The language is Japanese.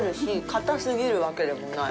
かたすぎるわけでもない。